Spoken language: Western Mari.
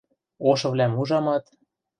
Ошывлӓм ужамат: